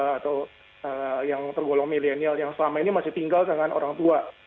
atau yang tergolong milenial yang selama ini masih tinggal dengan orang tua